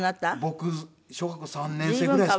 僕小学校３年生ぐらいですかね。